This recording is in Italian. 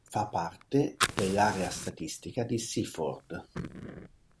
Fa parte dell'area statistica di Seaford.